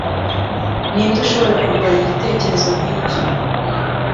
Ninde ushobora kurwanya igitekerezo nkicyo